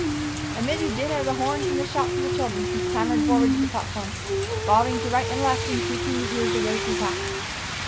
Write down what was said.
Amid the din of the horn and the shouts of the children, he clambered forward to the platform, bobbing to right and left, and tweaking the ears of those he passed.